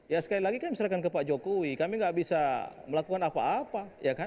ya sekali lagi kan misalkan ke pak jokowi kami nggak bisa melakukan apa apa